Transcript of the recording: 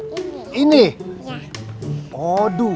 yang ini sama yang itu